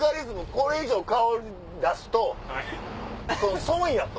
これ以上顔出すと損や！と。